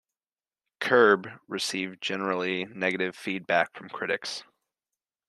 "Curb" received generally negative feedback from critics.